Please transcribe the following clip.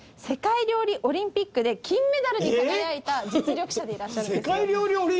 世界料理オリンピックで金メダルに輝いた実力者でいらっしゃるんですよ